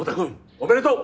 おめでとう！